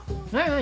何？